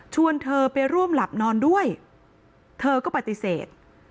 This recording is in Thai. เธอไปร่วมหลับนอนด้วยเธอก็ปฏิเสธ